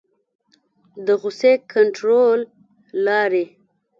د غصې کنټرول لارې